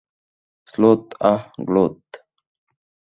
Sleuth, আহ, গ্লুথ।